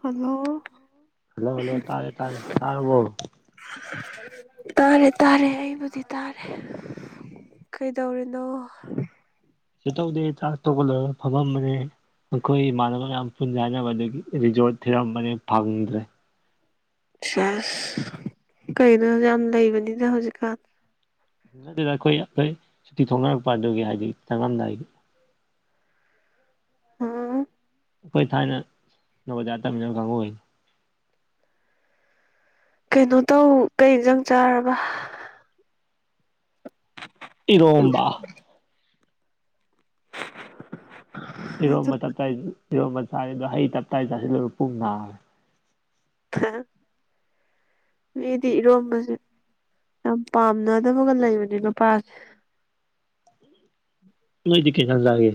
hello hello hello ꯇꯥꯔꯦ ꯇꯥꯔꯦ ꯇꯥꯔꯕꯣ ꯇꯥꯔꯦ ꯇꯥꯔꯦ ꯑꯕꯨꯗꯤ ꯇꯥꯔꯦ ꯀꯩꯗꯧꯔꯤꯅꯣ ꯀꯩꯁꯨ ꯇꯧꯗꯦ ꯆꯥꯛ ꯇꯣꯛꯒꯠꯂꯒ ꯐꯝꯃꯝꯕꯅꯦ ꯑꯩꯈꯣꯏ ꯏꯃꯥꯟꯅꯕ ꯌꯥꯝ ꯄꯨꯟꯖꯦ ꯍꯥꯏꯟꯅꯕꯗꯒꯤ ꯔꯤꯖꯣꯔꯠ ꯊꯤꯔꯝꯕꯅꯦ ꯐꯪꯗ꯭ꯔꯦ ꯁꯁ ꯀꯩꯅꯣ ꯌꯥꯝ ꯂꯩꯕꯅꯤꯅ ꯍꯧꯖꯤꯛꯀꯥꯟ ꯑꯗꯨꯗ ꯑꯩꯈꯣꯏ ꯑꯩꯈꯣꯏ ꯁꯨꯇꯤ ꯊꯣꯡꯅꯔꯛꯄ ꯑꯗꯨꯒꯤ ꯍꯥꯏꯗꯤ ꯆꯪꯉꯝꯗꯥꯏꯒꯤ ꯍꯥꯥ ꯑꯩꯈꯣꯏ ꯊꯥꯏꯅ ꯅꯕꯣꯖꯥ ꯇꯝꯃꯤꯟꯅꯕ ꯀꯥꯡꯕꯨꯅꯤ ꯀꯩꯅꯣ ꯇꯧ ꯀꯩ ꯏꯟꯖꯥꯡ ꯆꯥꯔꯕ ꯏꯔꯣꯝꯕ [inaudible] ꯑꯗꯨ ꯏꯔꯣꯝꯕꯞꯇꯥꯏ ꯏꯔꯣꯝꯕ ꯆꯥꯔꯤꯗꯣ ꯍꯩ ꯇꯞꯇꯥꯏ ꯆꯥꯁꯤꯜꯂꯣꯏꯔ ꯄꯨꯡ ꯅꯥꯔꯦ [unintelligible] ꯃꯤꯗꯤ ꯏꯔꯣꯝꯕꯁꯦ ꯌꯥꯝ ꯄꯥꯝꯅꯗꯕꯒ ꯂꯩꯕꯅꯦ ꯅꯨꯄꯥꯁꯦ ꯅꯗꯤ ꯀꯩ ꯍꯦꯜꯖꯥꯡ ꯆꯒꯦ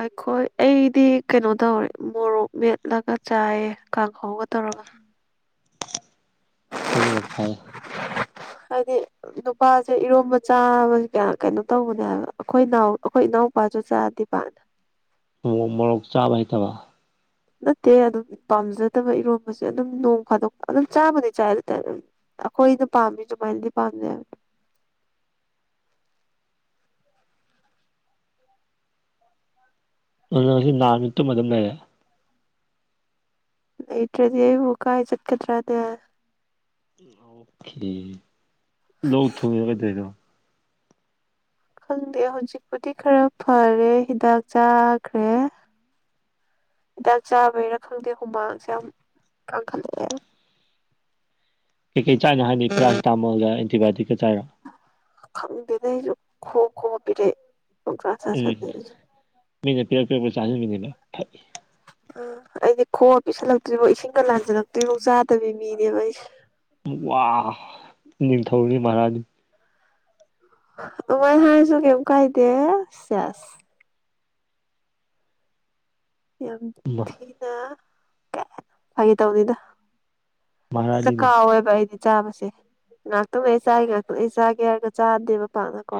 ꯑꯩꯈꯣꯏ ꯑꯩꯗꯤ ꯀꯩꯅꯣ ꯇꯧꯔꯦ ꯃꯣꯔꯣꯛ ꯃꯦꯠꯂꯒ ꯆꯥꯏꯑ ꯀꯥꯡꯍꯧꯒ ꯇꯧꯔꯒ ꯑꯗꯨꯅ ꯐꯩ ꯍꯥꯏꯗꯤ ꯅꯨꯄꯥꯁꯦ ꯏꯔꯣꯝꯕ ꯆꯥꯕꯁꯦ ꯀꯌꯥ ꯀꯩꯅꯣ ꯇꯧꯕꯅꯦꯕ ꯑꯩꯈꯣꯏ ꯏꯅꯥꯎ ꯑꯩꯈꯣꯏ ꯏꯅꯥꯎꯄꯥꯁꯨ ꯆꯥꯗꯤ ꯄꯥꯛꯅ ꯃꯣꯔꯣꯛ ꯆꯥꯕ ꯍꯩꯇꯕ ꯅꯠꯇꯦ ꯑꯗꯨꯝ ꯄꯥꯝꯖꯗꯕ ꯏꯔꯣꯟꯝꯕꯁꯦ ꯑꯗꯨꯝ ꯅꯣꯡ ꯈꯥꯗꯣꯛꯄ ꯑꯗꯨꯝ ꯆꯥꯕꯨꯗꯤ ꯆꯥꯏ ꯑꯗꯨꯇꯖꯨ ꯑꯩꯈꯣꯏꯅ ꯄꯥꯝꯃꯤ ꯑꯗꯨꯃꯥꯏꯅꯗꯤ ꯄꯥꯝꯗꯦ ꯍꯥꯏꯕ ꯑꯗꯨꯗ ꯉꯁꯤ ꯅꯥꯔꯝꯅꯤꯅ ꯇꯨꯝꯃ ꯑꯗꯨꯝ ꯂꯩꯔꯦ ꯂꯩꯇ꯭ꯔꯗꯤ ꯑꯩꯕꯨ ꯀꯥꯏ ꯆꯠꯀꯗ꯭ꯔꯅꯦ [unintelligible] ꯂꯣꯛ ꯊꯨꯡꯉꯔꯣ ꯀꯩꯗꯩꯅꯣ ꯈꯪꯗꯦ ꯍꯧꯖꯤꯛꯄꯨꯗꯤ ꯈꯔ ꯐꯔꯦ ꯍꯤꯗꯥꯛ ꯆꯥꯈ꯭ꯔꯦ ꯍꯤꯗꯥꯛ ꯆꯥꯕꯩꯔꯥ ꯈꯪꯗꯦ ꯍꯨꯃꯥꯡꯁꯦ ꯌꯥꯝ ꯀꯥꯡꯈꯠꯂꯛꯑꯦ ꯀꯩꯀꯩ ꯆꯥꯏꯅ ꯍꯥꯏꯅꯤ ꯄꯦꯔꯥꯁꯤꯇꯥꯃꯜꯒ ꯑꯦꯟꯇꯤꯕꯥꯏꯌꯇꯤꯛꯀ ꯆꯥꯏꯔꯥ ꯈꯪꯗꯦꯗ ꯑꯩꯁꯨ ꯈꯣꯛ ꯈꯣꯛ ꯑ ꯄꯤꯔꯛ ꯑꯦ ꯄꯪꯆꯥ ꯎꯝ ꯆꯥꯁꯤꯂꯦ ꯑꯩꯁꯨ ꯃꯤꯅ ꯄꯤꯔꯛ ꯄꯤꯔꯛꯄ ꯆꯥꯁꯤꯟꯕꯅꯤꯅ ꯑꯗꯨꯝ [unintelligible] ꯑ ꯑꯩꯗꯤ ꯈꯣꯡꯑ ꯄꯤꯁꯜꯂꯛꯇ꯭ꯔꯤꯐꯥꯎ ꯏꯁꯤꯡꯒ ꯂꯥꯟꯖꯜꯂꯛꯇ꯭ꯔꯤꯐꯥꯎ ꯆꯥꯗꯕꯤ ꯃꯤꯅꯦꯕ ꯑꯩꯁꯦ ꯋꯥ ꯅꯤꯡꯊꯧꯅꯤ ꯃꯍꯔꯥꯅꯤ ꯑꯃꯣꯏ ꯍꯥꯏꯁꯨ ꯀꯩꯝ ꯀꯥꯏꯗꯦ ꯆꯦꯁ ꯌꯥꯝ ꯊꯤꯅ ꯀ ꯐꯒꯦ ꯇꯧꯅꯤꯗ ꯃꯍꯥꯔꯥꯅꯤꯅꯤ ꯇꯀꯥꯎꯋꯦꯕ ꯑꯩꯗꯤ ꯆꯥꯕꯁꯦ ꯉꯥꯛꯇꯅ ꯂꯩ ꯆꯥꯒꯦ ꯉꯥꯛꯇꯅ ꯑꯩ ꯆꯥꯒꯦ ꯍꯥꯏꯔꯒ ꯆꯥꯗꯦꯕ ꯄꯥꯛꯅꯀꯣ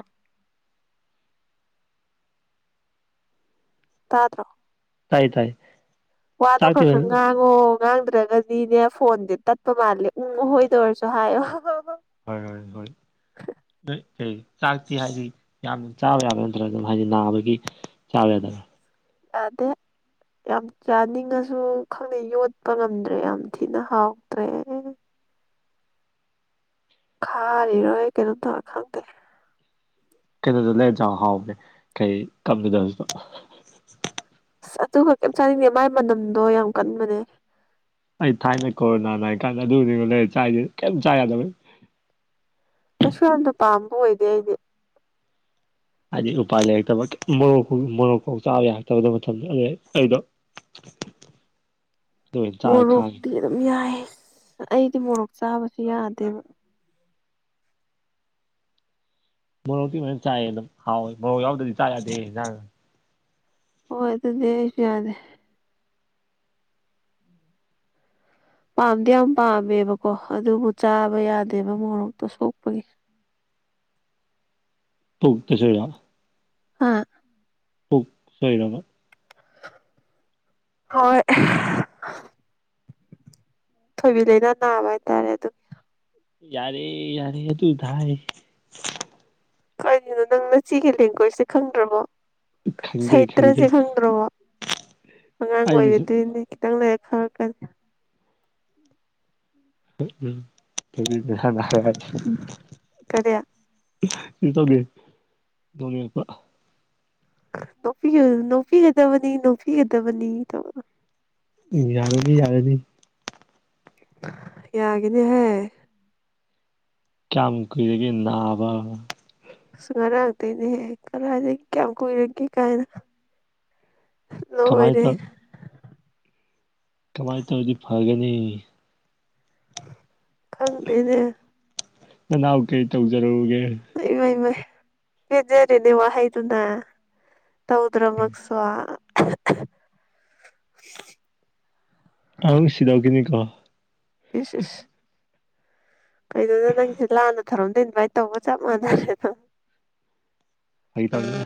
ꯇꯥꯗ꯭ꯔꯣ ꯇꯥꯏ ꯇꯥꯏ ꯋꯥꯗꯣ ꯆꯥꯛꯇꯤ ꯈꯔ ꯍꯣꯏ ꯈꯔꯉꯥꯡ ꯑꯣ ꯉꯥꯡꯗ꯭ꯔꯒꯗꯤꯅꯦ ꯐꯣꯟꯗꯤ ꯇꯠꯄ ꯃꯥꯜꯂꯦ ꯎꯍꯣꯏꯗ ꯑꯣꯏꯔꯁꯨ ꯍꯥꯏꯌꯣ [unintelligible] ꯍꯣꯏ ꯍꯣꯏ ꯍꯣꯏ ꯀꯩ ꯆꯥꯛꯇꯤ ꯍꯥꯏꯗꯤ ꯌꯥꯝꯅ ꯆꯥꯕ ꯌꯥꯕꯥ ꯅꯠꯇ꯭ꯔꯒ ꯑꯗꯨꯝ ꯍꯥꯏꯗꯤ ꯅꯥꯕꯒꯤ ꯆꯥꯋꯦ ꯇꯗꯥ [unintelligible] ꯇꯥꯗ‌ꯦ ꯌꯥꯝ ꯆꯥꯅꯤꯡꯉꯁꯨ ꯈꯪꯗꯦ ꯌꯣꯠꯄ ꯉꯝꯗ꯭ꯔꯦ ꯌꯥꯝ ꯊꯤꯅ ꯍꯥꯎꯇ꯭ꯔꯦ ꯈꯥꯔꯤꯔ ꯑꯩ ꯀꯩꯅꯣ ꯇꯧꯔ‌ꯦ ꯈꯪꯗ‌ꯦ ꯀꯩꯅꯣꯗꯨ ꯂꯩꯔ ꯆꯥꯎ ꯍꯥꯎꯕꯅꯦ ꯀꯩ ꯀꯞ ꯅꯨꯗ꯭ꯔꯁꯇ‍ꯣ ꯑꯁ ꯑꯗꯨꯒ ꯀꯩꯝ ꯆꯥꯅꯤꯡꯉꯦ ꯃꯥꯏ ꯃꯅꯝꯗꯣ ꯌꯥꯝ ꯀꯟꯕꯅꯦ ꯑꯩ ꯊꯥꯏꯅ ꯀꯣꯔꯣꯅꯥ ꯂꯩ ꯍꯥꯏꯔꯤ ꯀꯥꯟꯗ ꯑꯗꯨ ꯑꯣꯏꯅꯤ ꯂꯩꯔꯦ ꯆꯥꯏꯁꯤ ꯀꯩꯝꯇ ꯆꯥ ꯌꯥꯗꯕꯩ ꯀꯩꯁꯨ ꯌꯥꯝꯅ ꯄꯥꯝꯕ ꯑꯣꯏꯗꯦ ꯑꯩꯗꯤ ꯍꯥꯏꯗꯤ ꯎꯄꯥꯥꯏ ꯂꯩꯔꯛꯇꯕ ꯃꯣꯔꯣꯛ ꯃꯣꯔꯣꯛꯐꯥꯎ ꯆꯥꯕ ꯌꯥꯔꯛꯇꯕ ꯃꯇꯝꯗ ꯑꯩꯗꯣ [inaudible] ꯑꯣꯏꯅ ꯆꯥꯔ ꯈꯥꯡꯉꯤ ꯃꯣꯔꯣꯛꯇꯤ ꯑꯗꯨꯝ ꯌꯥꯏ ꯑꯩꯗꯤ ꯃꯣꯔꯣꯛ ꯆꯥꯕꯁꯨ ꯌꯥꯗꯦꯕ ꯃ‌ꯣꯔ‌ꯣꯛꯇꯤ ꯃꯌꯥꯝ ꯆꯥꯏ ꯑꯗꯨꯝ ꯍꯥꯎꯏ ꯃ‌ꯣꯔ‌ꯣꯛ ꯌꯥꯎꯗꯗꯤ ꯆꯥ‌ ꯌꯥ‍ꯗ‍ꯦ ꯏꯟꯖꯥꯡ ꯍ‌ꯣꯏ ꯑꯗꯨꯗꯤ ꯑꯩꯁꯨ ꯌꯥꯗꯦ ꯄꯥꯝꯗꯤ ꯌꯥꯝ ꯄꯥꯝꯃꯦꯕꯀꯣ ꯑꯗꯨꯕꯨ ꯆꯥꯕ ꯌꯥꯗꯦꯕ ꯃꯣꯔꯣꯛꯇꯣ ꯁꯣꯛꯄꯒꯤ ꯇꯣꯛ ꯀꯁꯁꯨ [unintelligible] ꯍꯥ ꯍ ꯁꯣꯏꯔꯃ [unintelligible] ꯍꯣꯏ ꯊꯣꯏꯕꯤ ꯂꯩꯥꯅꯥ ꯅꯥꯕ ꯍꯥꯏꯇꯥꯔꯦ ꯑꯗꯨ ꯌꯥꯔꯦ ꯌꯥꯔꯦ ꯑꯗꯨ ꯍꯥꯏ ꯀꯔꯤꯒꯤꯅꯣ ꯅꯪꯅ ꯁꯤꯒꯤ ꯂꯦꯡꯒ꯭ꯋꯦꯖꯁꯦ ꯈꯪꯗ꯭ꯔꯕꯣ ꯈꯪꯖꯩ ꯁꯥꯍꯤꯇ꯭ꯔꯁꯦ ꯈꯪꯖꯩ ꯈꯪꯗ꯭ꯔꯕꯣ ꯑꯉꯥꯡ ꯑꯩꯗꯨꯁꯨ ꯑꯣꯏꯒꯗꯣꯏꯅꯦ ꯈꯤꯇꯪ ꯂꯩꯔ ꯐꯔꯛꯀꯅꯤ ꯎꯝ ꯎꯝ ꯑꯗꯨꯗꯤ ꯅꯁꯥꯅ ꯍꯥꯏꯔꯛꯑꯗꯤ ꯎꯝ ꯀꯔꯤ ꯈꯝ ꯇꯧꯗ‌ꯦ ꯅ‌ꯣꯛꯅꯤꯡꯉꯛꯄ ꯅ‌ꯣꯛꯄꯤꯒꯗꯕꯅꯤ ꯅ‌ꯣꯛꯄꯤꯒꯗꯕꯅꯤ ꯇꯧꯕꯗꯨ ꯌꯥꯔꯅꯤ ꯌꯥꯔꯅꯤ ꯌꯥꯒꯅꯤꯍꯦ ꯀꯌꯥꯝ ꯀꯨꯏꯔꯒꯦ ꯅꯥꯕ ꯑꯉꯔꯥꯡꯗꯩ ꯅꯤꯍꯦ ꯀꯗꯥꯏꯗꯒꯤ ꯀꯌꯥꯝ ꯀꯨꯏꯔꯒꯦ ꯀꯥꯏꯅ ꯀꯃꯥꯏ ꯂ‌ꯣꯏꯔ‌ꯦ ꯇꯧ ꯀꯃꯥꯏ ꯇꯧꯗꯤ ꯐꯒꯅꯤ ꯈꯪꯗꯦꯅꯦ ꯅꯅꯥꯎ ꯀꯩ ꯇꯧꯖꯔꯛꯎꯒꯦ ꯏꯃꯥꯏ ꯃꯥꯏ ꯄ‌ꯦꯟꯖꯔ‌ꯦꯅ‌ꯦ ꯋꯥꯍꯩꯗꯨꯅ ꯇꯧꯗ꯭ꯔ ꯃꯛꯁ‌ꯣ ꯑꯥꯎ ꯁꯤꯗꯧ ꯀꯤꯅꯤ ꯀꯣ ꯏꯁ ꯏꯁ ꯀꯗꯨꯗ ꯅꯪꯁꯦ ꯂꯥꯟꯅ ꯊꯧꯔꯝꯗ ꯏꯟꯚꯥꯏꯠ ꯇꯧꯕ ꯆꯞ ꯃꯥꯟꯅꯔꯦꯗ ꯐꯥꯒꯤ ꯇꯧꯅ‌ꯦ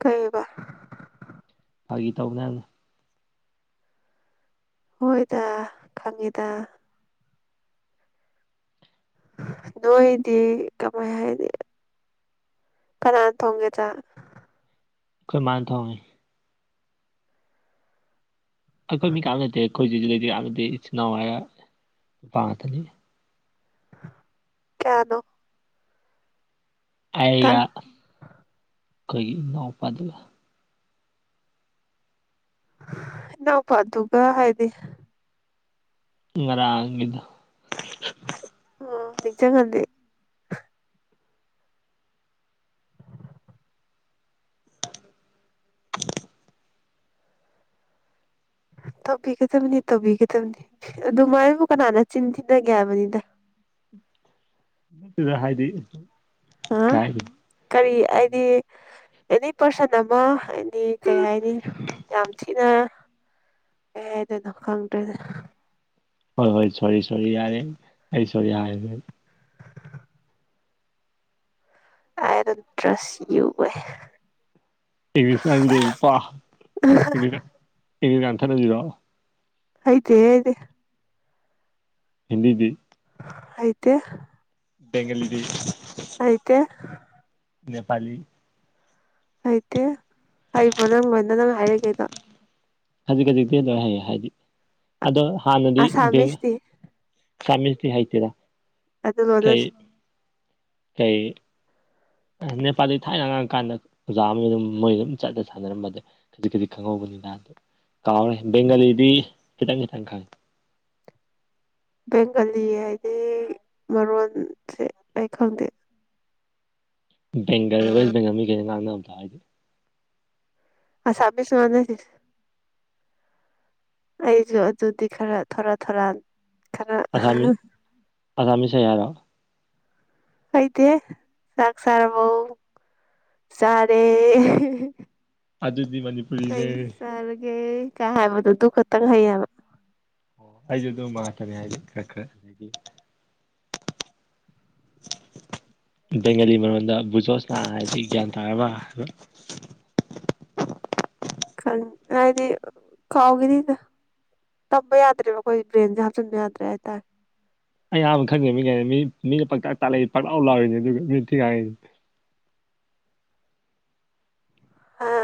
ꯀꯩ [unintelligible] ꯕꯔ ꯐꯥꯒꯤ ꯇꯧꯕꯅꯦ [unintelligible] ꯍꯣꯏꯗ ꯈꯪꯉꯤꯗ ꯅꯣꯏꯗꯤ ꯀꯃꯥꯏ ꯍꯥꯏꯅꯤ ꯀꯅꯥꯅ ꯊꯣꯡꯒꯦ ꯆꯥꯛ ꯑꯩꯈꯣꯏ ꯃꯥꯟꯅ ꯊ‌ꯣꯡꯏ ꯑꯩꯈꯣꯏ ꯃꯤ ꯀꯅꯥꯝ ꯂꯩꯇꯦ ꯑꯩꯈꯣꯏ [unintelligible] ꯍꯧꯖꯤꯁꯨ ꯂꯩꯇꯦ ꯅꯠꯇꯦ ꯏꯆꯤꯟ ꯏꯅꯥꯎ ꯍꯥꯏꯔꯒ ꯅꯨꯄꯥ ꯉꯥꯛꯇꯅꯤ ꯀꯌꯥꯅꯣ ꯑꯩꯒ ꯇꯔꯥ ꯑꯩꯈꯣꯏꯒꯤ ꯏꯅꯥꯎꯄꯥꯗꯨꯒ ꯅꯎ ꯐꯥ ꯇꯒ ꯍꯥꯏꯗꯤ ꯉꯔꯗ ꯑꯣ ꯗꯖꯒꯥꯟꯗꯗꯤ ꯇꯧꯕꯤꯒꯗꯕꯅꯤ ꯇꯧꯕꯤꯒꯗꯕꯅꯤ ꯑꯗꯨꯃꯥꯏꯕꯨ ꯀꯅꯥꯅ ꯆꯤꯟ ꯊꯤꯟꯅꯒꯦ ꯍꯥꯏꯕꯅꯤꯗ ꯗ ꯍꯥꯏꯗꯤ ꯍꯥ ꯀꯥꯏ ꯀꯔꯤ ꯑꯩꯗꯤ ꯑꯦꯅꯤ ꯄꯥꯔꯁꯟ ꯑꯃ ꯍꯥꯏꯗꯤ ꯀꯩ ꯍꯥꯏꯅꯤ ꯌꯥꯝ ꯊꯤꯅ ꯑꯦꯗ ꯅꯣ ꯈꯪ꯭ꯔꯦꯗ ꯍꯣꯏ ꯍꯣꯏ ꯁꯣꯔꯤ ꯁꯣꯔꯤ ꯌꯥꯔꯦ ꯑꯩ ꯁꯣ ꯌꯥꯔꯦ ꯑꯥꯏꯔꯟ ꯇ꯭ꯔꯁ ꯌꯨ ꯑꯦ ꯏꯪꯂꯤꯁꯀꯥꯟꯁꯤ ꯂꯩ ꯄ ꯏꯪꯂꯤꯁ ꯏꯪꯂꯤꯁꯀꯥꯟ ꯊꯠꯅꯕꯤꯔꯣ ꯑꯥꯏꯗꯤꯦ ꯍꯤꯟꯗꯤ ꯑꯥꯏꯇ ꯕꯦꯡꯜꯨꯗꯤ ꯑꯀꯦ ꯅꯦꯄꯥꯂꯤ ꯍꯩꯇꯦ ꯍꯩꯕ꯭ꯔꯣ ꯅꯪ ꯂꯣꯏꯅ ꯅꯪ ꯍꯥꯏꯔꯤꯈꯩꯗꯣ ꯈꯖꯤꯛ ꯈꯖꯤꯛꯇꯤ ꯂꯣꯏ ꯍꯩꯌꯦ ꯍꯥꯏꯗꯤ ꯑꯗꯣ ꯍꯥꯟꯅꯗꯤ ꯕꯦꯡ ꯑꯁꯥꯃꯤꯁꯇꯤ ꯀꯃꯤꯇ ꯍꯥꯏꯇꯔ ꯑꯗꯨ ꯀꯩ ꯂꯣꯟꯅꯁꯦ ꯀꯩ ꯅꯦꯄꯥꯜꯗ ꯊꯥꯏꯅ ꯉꯥꯡꯉ ꯀꯥꯟꯗ ꯑꯣꯖꯥ ꯑꯃ ꯑꯗꯨꯝ ꯃꯣꯏ ꯑꯗꯨꯝ ꯆꯠꯂ ꯁꯥꯟꯅꯔꯝꯕ ꯑꯗꯨ ꯈꯖꯤꯛ ꯈꯖꯤꯛ ꯈꯪꯍꯧꯕꯅꯤꯅ ꯀꯥꯎꯔꯦ ꯕꯦꯡꯒꯥꯂꯤꯗꯤ ꯈꯤꯇꯪ ꯈꯤꯇꯪ ꯈꯪꯉꯦ ꯕꯦꯡꯒꯥꯂꯤ ꯍꯥꯏꯗꯤ ꯃꯔꯣꯟꯁꯦ ꯑꯩ ꯈꯪꯗꯦ ꯕꯦꯡꯒꯔ ꯋꯦꯁ ꯕꯦꯡꯒꯜ ꯃꯤ ꯀꯩꯅ ꯉꯥꯡꯅꯕꯗ ꯍꯥꯏꯔꯗꯤ ꯑꯁꯝꯁꯨ ꯋꯥꯥꯟꯅꯁꯤ ꯑꯩꯁꯨ ꯑꯗꯨꯗꯤ ꯈꯔ ꯊꯣꯔꯥ ꯊꯣꯔꯥꯟ ꯈꯔ ꯑꯁꯥꯃꯤꯁ ꯑꯁꯥꯃꯤꯁ ꯍꯥꯏ ꯍꯥꯏꯔꯣ ꯀꯩꯗꯦ ꯆꯥꯛ ꯆꯔꯕꯧ ꯆꯔꯦ ꯑꯗꯨꯗꯤ ꯃ ꯀꯩ ꯆꯥꯔꯒꯦ ꯀ ꯍꯥꯏꯕꯗꯨꯗꯨ ꯈꯛꯇꯪ ꯍꯩꯌꯦꯕ ꯑꯣ ꯑꯩꯁꯨ ꯑꯗꯨꯝ ꯃꯥꯥꯛꯇꯅꯦ ꯍꯥꯏꯗꯤꯦ ꯈꯔ ꯈꯔ ꯑꯗꯨꯗꯤ ꯕꯦꯡꯒꯂꯤ ꯃꯔꯣꯟꯗ ꯕꯨꯨꯖꯣꯁꯅꯥ ꯍꯥꯏꯗꯤ ꯒ꯭ꯌꯥꯟ ꯇꯥꯔꯕ ꯍꯥꯏꯕ ꯈ ꯍꯥꯏꯗꯤ ꯀꯥꯎꯒꯗꯗ ꯇꯝꯕ ꯌꯥꯗ꯭ꯔꯕ ꯑꯩꯈꯣꯏ ꯕ꯭ꯔꯦꯟꯁꯦ ꯍꯥꯞꯆꯤꯟꯕ ꯌꯥꯗ꯭ꯔꯦ ꯍꯥꯏꯇꯥꯔꯦ ꯑꯩ ꯑꯍꯥꯟꯕ ꯈꯟꯖꯦ ꯃꯤ ꯀꯥꯏ ꯃꯤꯅ ꯄꯥꯛꯇꯥꯛ ꯇꯥꯜꯂꯛꯏ ꯄꯥꯛꯇꯥꯎ ꯂꯥꯎꯔꯤꯅꯦ ꯑꯗꯨꯒ ꯃꯤ ꯊꯤꯒꯥꯏꯉꯅꯦ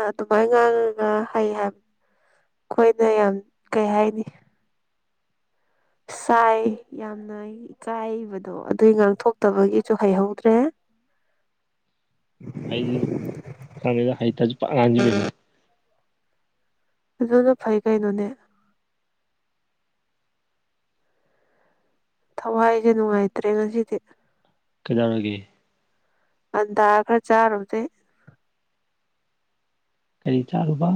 ꯑꯗꯨꯃꯥꯏꯅ ꯉꯥꯡꯉꯒ ꯍꯩ ꯍꯥꯏꯕꯅꯤ ꯑꯩꯈꯣꯏꯅ ꯌꯥꯝ ꯀꯩ ꯍꯥꯏꯅꯤ ꯆꯥꯏ ꯌꯥꯝꯅ ꯏꯀꯥꯏꯕꯗꯣ ꯑꯗꯨꯏ ꯉꯥꯛꯊꯣꯛꯇꯕꯒꯤꯁꯨ ꯍꯩꯍꯧꯗ꯭ꯔꯦ ꯑꯩꯗꯤ ꯈꯗ ꯍꯩꯇ ꯑꯗꯨꯅ ꯐꯩ ꯀꯩꯅꯣꯅꯦ ꯊꯋꯥꯏꯁꯦ ꯅꯨꯡꯉꯥꯏꯇ꯭ꯔꯦ ꯉꯁꯤꯗꯤ ꯀꯩꯗꯥꯧꯅꯒꯦ ꯑꯟꯗꯥ ꯈꯔ ꯆꯥꯔꯨꯗꯦ ꯀꯔꯤ ꯇꯥꯔꯨꯕ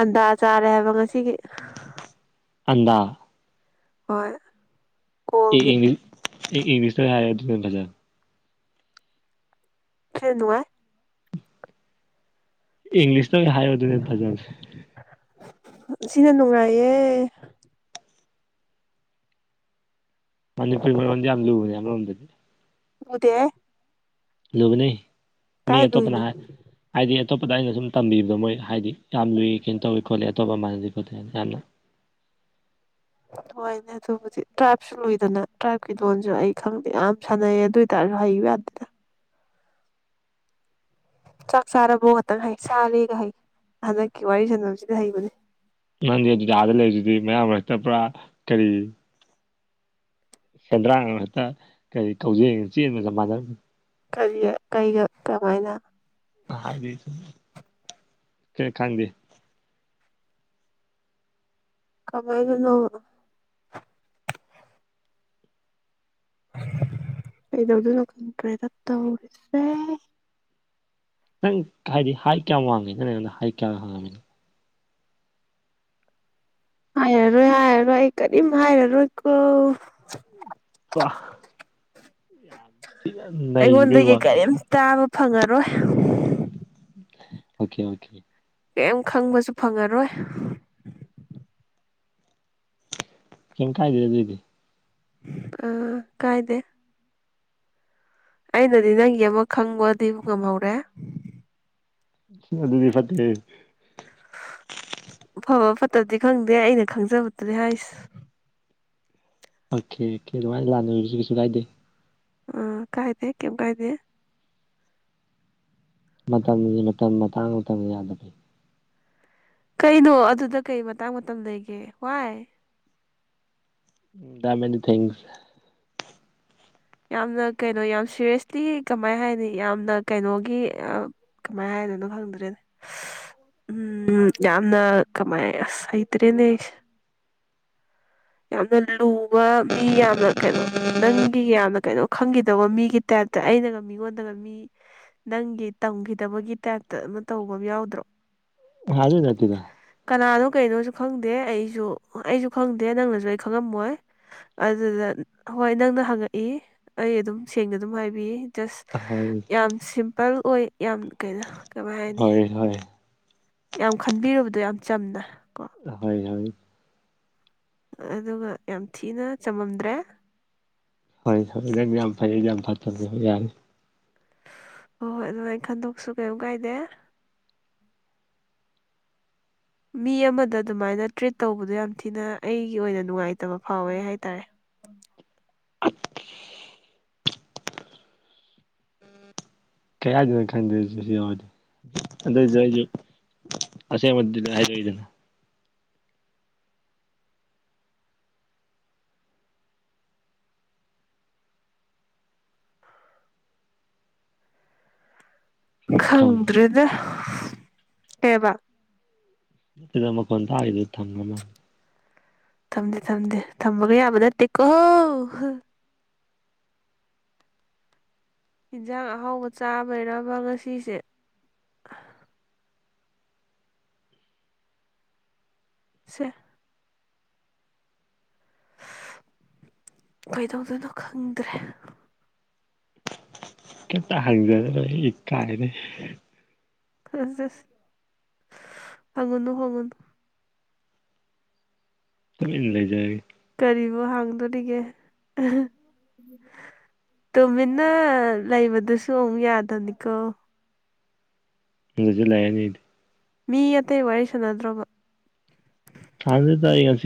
ꯑꯟꯗꯥ ꯆꯥꯔꯦ ꯍꯥꯏꯕ ꯉꯁꯤꯒꯤ ꯑꯗ ꯍꯣꯏ ꯑꯦ ꯀꯣꯜꯒꯤ ꯏꯪꯂꯤ ꯑꯦ ꯏꯪꯂꯤꯁꯇ ꯍꯥꯏꯔꯦ ꯑꯗꯨꯝ ꯐꯖ ꯀ ꯅꯨꯅꯨꯡꯉ ꯏꯪꯂꯤꯁꯇ ꯑꯣꯏꯅ ꯍꯥꯏꯌꯨꯗꯨꯅꯦ ꯐꯖꯕꯁꯦ ꯁꯤꯅ ꯅꯨꯡꯉꯥꯏꯌꯦ ꯃꯅꯤꯄꯨꯔꯤ ꯃꯔꯣꯟꯝꯗꯤ ꯌꯥꯝ ꯂꯨꯕꯅꯦ ꯑꯃꯔꯣꯝꯗꯗꯤ ꯎꯗꯦ ꯂꯒꯅꯤ ꯀꯥꯏ ꯃꯤꯇꯣꯞꯅ ꯂꯨꯏꯅꯣ ꯍꯥꯏꯗꯤ ꯑꯇꯣꯞꯄꯗ ꯑꯩꯅ ꯁꯨꯝ ꯇꯝꯕꯤꯕ ꯃꯣꯏ ꯍꯥꯏꯗꯤ ꯌꯥꯝ ꯂꯨꯏ ꯀꯩꯅꯣ ꯇꯧꯋꯤ ꯈꯣꯠꯂꯤ ꯑꯇꯣꯞꯄ ꯑꯃꯥꯟꯅꯗꯤ ꯈꯣꯠꯇꯦ ꯍꯥꯏꯗꯤ ꯌꯥꯝꯅ ꯍꯣꯏꯅꯦ ꯑꯗꯨꯕꯨꯗꯤ ꯇ꯭ꯔꯥꯏꯕꯁꯨ ꯂꯣꯏꯏꯗꯅ ꯇ꯭ꯔꯥꯏꯕꯀꯤ ꯂꯣꯟꯁꯨ ꯑꯩ ꯈꯪꯗꯦ ꯌꯥꯝ ꯁꯥꯟꯅꯩ ꯑꯗꯨꯏꯗꯤ ꯇꯔ ꯍꯏꯕ ꯑꯗ ꯆꯥꯛ ꯆꯥꯔꯕꯣ ꯈꯇꯪ ꯍꯩ ꯁꯥꯔꯒ ꯍꯩ ꯍꯟꯗꯛꯀꯤ ꯋꯥꯔꯤ ꯁꯥꯟꯅꯕꯐꯝꯁꯤꯗꯤ ꯍꯩꯕꯅꯦ ꯅꯪꯗꯤ ꯑꯗꯨꯖꯗ ꯂꯩ ꯑꯗꯨꯗꯤ ꯃꯌꯥꯝ ꯃꯔ ꯍꯦꯛꯇ ꯄꯨꯔꯥ ꯀꯔꯤ ꯁꯦꯟꯗ꯭ꯔꯥꯡ ꯍꯦꯛꯇ ꯀꯔꯤ ꯀꯧꯖꯦꯜꯒ ꯆꯦꯟꯒ ꯆ ꯃꯥꯟꯅꯔ ꯀꯔꯤ ꯀꯩꯒ ꯀꯃꯥꯏꯅ ꯀ ꯈꯗ ꯀꯃꯥꯏꯅꯅꯣ ꯀꯩꯗꯧꯗꯅꯣ ꯈꯪꯗ꯭ꯔꯦꯗ ꯇꯧꯔꯤꯁꯦ ꯅꯪ ꯍꯥꯏꯗꯤ ꯍꯥꯏ ꯀꯌꯥꯝ ꯋꯥꯡꯉꯤ ꯅꯪ ꯑꯩꯉꯣꯟꯗ ꯍꯥꯏ ꯀꯌꯥꯝ ꯍꯥꯡꯉꯕꯃꯤꯅ ꯍꯥꯏꯔꯔꯣꯏ ꯍꯥꯏꯔꯔꯣꯏ ꯑꯩ ꯀꯔꯤꯝ ꯍꯥꯏꯔꯔꯣꯏꯀꯣ ꯋꯥ ꯅꯩꯕꯩ ꯑꯩꯉꯣꯟꯗꯒꯤ ꯋꯥꯗꯣ ꯀꯔꯤꯝ ꯇꯥꯕ ꯐꯪꯉꯔꯣꯏ ꯑꯣꯀꯦ ꯑꯣꯀꯦ ꯀꯔꯤꯩꯝ ꯈꯪꯕꯁꯨ ꯐꯪꯉꯔꯣꯏ ꯀꯦ ꯀꯥꯏꯕꯤꯔꯖꯣꯏꯗꯗꯤ ꯑ ꯀꯥꯏꯗꯦ ꯑꯩꯅꯗꯤ ꯅꯪꯒꯤ ꯑꯃ ꯈꯪꯕꯗꯤ ꯉꯝꯍꯧꯔꯦ ꯑꯗꯨ ꯑꯗꯨꯗꯤ ꯐꯠꯇꯦ ꯑꯐꯕ ꯐꯠꯇꯕꯗꯤ ꯈꯪꯗꯦ ꯑꯩꯅ ꯈꯪꯖꯕꯗꯗꯤ ꯍꯥꯏꯁꯦ ꯑꯣꯀꯦ ꯑꯣꯀꯦ ꯑꯗꯨꯃꯥꯏꯅ ꯂꯥꯟꯅꯔꯁꯨ ꯀꯩꯁꯨ ꯀꯥꯏꯗꯦ ꯑ ꯀꯥꯏꯗꯦ ꯀꯦꯝ ꯀꯥꯏꯗꯦ ꯃꯇꯝꯒꯤ ꯃꯇꯝ ꯃꯇꯥꯡ ꯃꯇꯝ ꯌꯥꯗꯕꯤ ꯀꯩꯅꯣ ꯑꯗꯨꯗ ꯀꯩ ꯃꯇꯥꯡ ꯃꯇꯝ ꯂꯩꯒꯦ ꯋꯥꯏ ꯎ ꯗꯗꯥ ꯃꯦꯅꯤ ꯊꯤꯡꯁ ꯌꯥꯝꯅ ꯀꯩꯅꯣ ꯌꯥꯝ ꯁꯦꯔꯤꯌꯁꯂꯤ ꯀꯃꯥꯏ ꯍꯥꯏꯅꯤ ꯌꯥꯝꯅ ꯀꯩꯅꯣꯒꯤ ꯀꯃꯥꯏ ꯍꯥꯏꯗꯣꯏꯅꯣ ꯈꯪꯗ꯭ꯔꯦꯅꯦ ꯎꯝ ꯌꯥꯝꯅ ꯀꯃꯥꯏ ꯑꯁ ꯍꯩꯇ꯭ꯔꯦꯅꯦ ꯌꯥꯝꯅ ꯂꯨꯕ ꯃꯤ ꯌꯥꯝꯅ ꯀꯩꯅꯣ ꯅꯪꯒꯤ ꯌꯥꯝꯅ ꯀꯩꯅꯣ ꯈꯪꯈꯤꯗꯧꯕ ꯃꯤꯒꯤ ꯇꯥꯏꯞꯇ ꯑꯩꯅꯒ ꯃꯤꯉꯣꯟꯗꯒ ꯃꯤ ꯅꯪꯒꯤ ꯇꯝꯈꯤꯗꯕꯒꯤ ꯇꯥꯏꯞꯇ ꯑꯗꯨꯅ ꯇꯧꯕ ꯌꯥꯎꯗ꯭ꯔꯣ ꯗꯦ ꯂ ꯍꯥꯏꯇꯗ ꯀꯅꯥꯅꯣ ꯀꯩꯅꯣꯁꯨ ꯈꯪꯗꯦ ꯑꯩꯁꯨ ꯑꯩꯁꯨ ꯈꯪꯗꯦ ꯅꯪꯅꯁꯨ ꯑꯩ ꯈꯪꯉꯝꯃꯣꯏ ꯑꯗꯨꯗ ꯍꯣꯏ ꯅꯪꯅ ꯍꯪꯉꯛꯏ ꯑꯩ ꯑꯗꯨꯝ ꯁꯦꯡꯅ ꯑꯗꯨꯝ ꯍꯥꯏꯕꯤꯌꯦ ꯖꯁ ꯍꯣꯏ ꯌꯥꯝ ꯁꯤꯝꯄꯜ ꯑꯣꯏ ꯌꯥꯝ ꯀꯩꯅ ꯀꯃꯥꯏꯅꯤ ꯣꯏ ꯌꯥꯝ ꯈꯟꯕꯤꯔꯨꯕꯗꯣ ꯌꯥꯝ ꯆꯝꯅ ꯀꯣ ꯍꯣꯏ ꯍꯣꯏ ꯑꯗꯨꯒ ꯌꯥꯝ ꯊꯤꯅ ꯆꯃꯝꯗ꯭ꯔꯦ ꯍꯣꯏ ꯍꯣꯏ ꯑꯗꯨꯗꯤ ꯌꯥꯝ ꯐꯩ ꯌꯥꯝ ꯐꯠꯇꯕꯅꯦ ꯌꯥꯅꯤ ꯍꯣꯏ ꯍꯣꯏ ꯑꯗꯨꯃꯥꯏ ꯈꯟꯗꯣꯛꯁꯨ ꯀꯩꯝ ꯀꯥꯏꯗꯦ ꯃꯤ ꯑꯃꯗ ꯑꯗꯨꯃꯥꯏꯅ ꯇ꯭ꯔꯤꯠ ꯇꯧꯕꯗꯣ ꯌꯥꯝ ꯊꯤꯅ ꯑꯩꯒꯤ ꯑꯣꯏꯅ ꯅꯨꯡꯉꯥꯏꯇꯕ ꯐꯥꯎꯋꯦ ꯍꯥꯏꯇꯥꯔꯦ ꯀꯌꯥꯗꯅꯣ ꯈꯪꯗꯦꯁ ꯁꯤ ꯌꯥꯎꯔꯗꯤꯦ ꯑꯗꯨꯏꯁꯨ ꯑꯩꯁꯨ ꯑꯁꯦ ꯃꯗꯤ ꯍꯥꯏꯗꯤꯗꯅ ꯊꯝꯈ꯭ꯔꯦ ꯈꯪꯗ꯭ꯔꯦꯗ ꯀꯦꯕ ꯗ ꯃꯈꯣꯟꯟ ꯇ ꯍꯥꯏꯗꯨ ꯊꯝꯒ ꯃꯥ ꯊꯝꯗꯦ ꯊꯝꯗꯦ ꯊꯝꯕꯒ ꯌꯥꯕ ꯅꯠꯇꯦ ꯀꯣꯍꯣ ꯌꯦꯟꯖꯥꯡ ꯑꯍꯥꯎꯕ ꯆꯥꯕꯩꯔꯕ ꯉꯁꯤꯁꯦ ꯁ ꯀꯩꯗꯧꯗꯣꯏꯅꯣ ꯈꯪꯗ꯭ꯔꯦ ꯀꯩꯝꯇ ꯍꯪꯖꯔꯔ ꯀꯥꯏꯅꯤ ꯑꯁ ꯍꯪꯉꯨꯅꯨ ꯍꯪꯉꯨꯅꯨ ꯁ ꯏꯟ ꯂꯩꯖꯩ ꯀꯔꯤꯕꯨ ꯍꯥꯡꯗꯣꯔꯤꯒꯦ ꯇꯨꯃꯤꯟꯅ ꯂꯩꯕꯗꯨꯁꯨ ꯑꯃꯨꯛ ꯌꯥꯗꯅꯤꯀꯣ ꯁꯨ ꯂꯥꯏꯌꯦꯅꯤ ꯃꯤ ꯑꯇꯩ ꯋꯥꯔꯤ ꯁꯥꯟꯅꯗ꯭ꯔꯣꯕ ꯑꯗ ꯇꯏ ꯉꯁꯤ